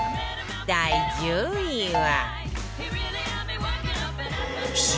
第１０位は